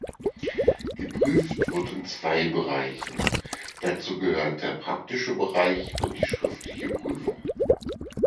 Geprüft wird in zwei Bereichen, dazu gehört der „praktische Bereich“ und die „schriftliche Prüfung“.